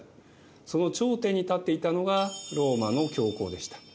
その頂点に立っていたのがローマの教皇でした。